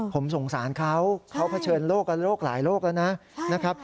ผมสงสารเขาเขาเผชิญโลกกับโรคหลายโรคแล้วนะครับ